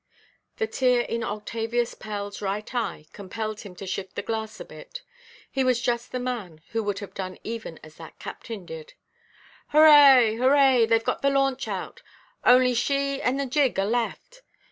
The tear in Octavius Pellʼs right eye compelled him to shift the glass a bit. He was just the man who would have done even as that captain did. "Hurrah, hurrah! theyʼve got the launch out; only she and the gig are left.